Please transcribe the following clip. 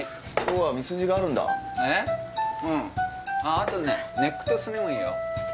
あとねネックとスネもいいよ。